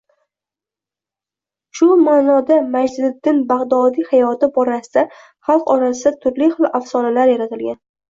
Shu maʼnoda Majdiddin Bagʻdodiy hayoti borasida xalq orasida turfa xil afsonalar yaratilgan